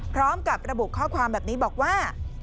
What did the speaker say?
พร้อมกับระบุข้อความแบบนี้บอกว่า